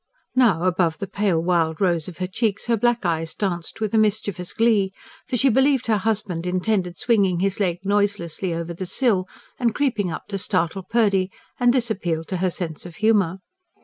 Now, above the pale wild rose of her cheeks her black eyes danced with a mischievous glee; for she believed her husband intended swinging his leg noiselessly over the sill and creeping up to startle Purdy and this appealed to her sense of humour.